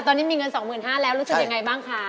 ตอนนี้มีเงิน๒๕๐๐บาทแล้วรู้สึกยังไงบ้างคะ